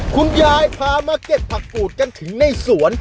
คุณยายพามาเก็บผักกูดกันถึงในสวน